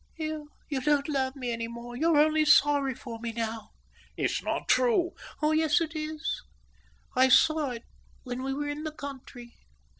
"You don't love me any more; you're only sorry for me now." "It's not true." "Oh yes it is. I saw it when we were in the country.